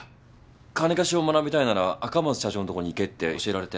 金貸しを学びたいなら赤松社長んとこに行けって教えられて。